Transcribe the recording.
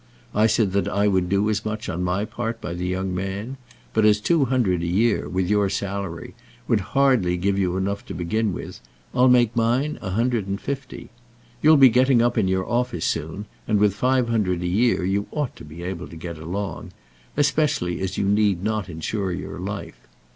I said that I would do as much on my part by the young man; but as two hundred a year, with your salary, would hardly give you enough to begin with, I'll make mine a hundred and fifty. You'll be getting up in your office soon, and with five hundred a year you ought to be able to get along; especially as you need not insure your life.